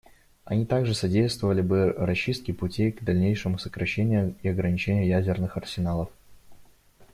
Они также содействовали бы расчистке путей к дальнейшему сокращению и ограничению ядерных арсеналов.